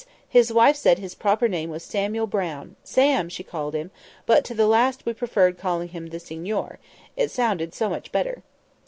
his wife said his proper name was Samuel Brown—"Sam," she called him—but to the last we preferred calling him "the Signor"; it sounded so much better.